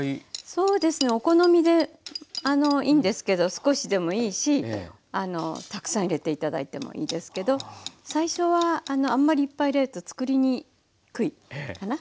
そうですねお好みでいいんですけど少しでもいいしたくさん入れて頂いてもいいですけど最初はあんまりいっぱい入れると作りにくいかな。